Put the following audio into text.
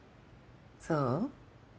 そう？